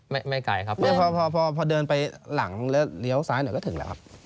ไม่ไม่ไกลครับพอพอเดินไปหลังแล้วเลี้ยวซ้ายหน่อยก็ถึงแล้วครับ